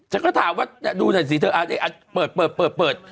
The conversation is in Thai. ฉันก็ถามว่าดูหน่อยสิเธอเปิดเปิด